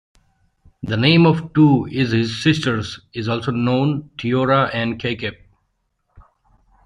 The name of two is his sisters is also known: Tiora and Caycape.